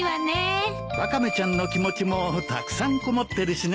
ワカメちゃんの気持ちもたくさんこもってるしね。